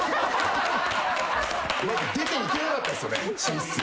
出ていけなかったっすよね寝室。